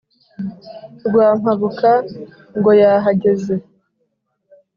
Rwampabuka ngo yahageze